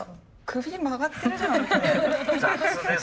首曲がってるじゃないこれ。